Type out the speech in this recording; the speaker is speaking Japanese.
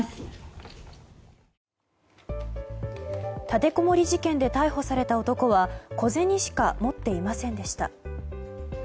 立てこもり事件で逮捕された男は小銭しか持っていませんでした。